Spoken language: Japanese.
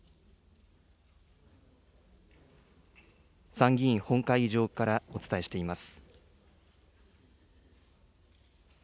参議院本会議場からお伝えしています。